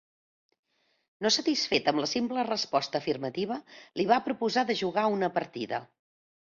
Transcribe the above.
No satisfet amb la simple resposta afirmativa, li va proposar de jugar una partida.